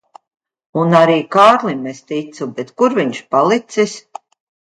Un arī Kārlim es ticu, bet kur viņš palicis?